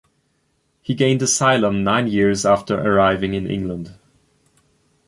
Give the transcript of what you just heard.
He gained asylum nine years after arriving in England.